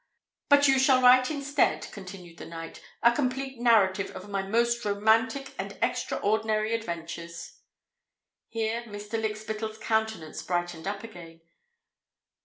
"But you shall write instead," continued the knight, "a complete narrative of my most romantic and extraordinary adventures." Here Mr. Lykspittal's countenance brightened up again.